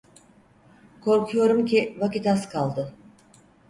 Korkuyorum ki, vakit az kaldı!